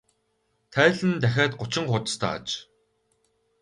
Тайлан нь дахиад гучин хуудастай аж.